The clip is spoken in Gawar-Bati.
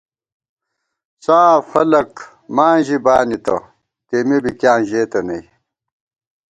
ساف خلَک ماں ژِی بانِتہ ، تېمے بی کِیاں ژېتہ نئ